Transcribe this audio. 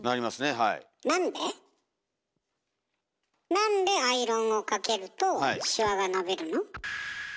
なんでアイロンをかけるとシワが伸びるの？